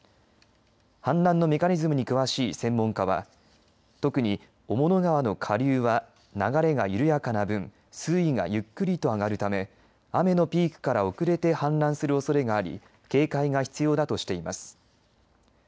氾濫のメカニズムに詳しい専門家は特に雄物川の下流は流れが緩やかな分水位がゆっくりと上がるため雨のピークから遅れて氾濫するおそれがあり警戒が必要だとしています。